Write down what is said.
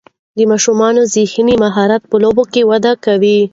د ماشومانو ذهني مهارتونه په لوبو کې وده کوي.